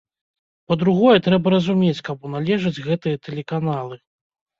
Па-другое, трэба разумець, каму належаць гэтыя тэлеканалы.